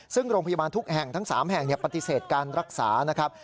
ซึ่งโรงพยาบาลทุกแห่งทั้ง๓แห่งปฏิเสธการรักษานะครับ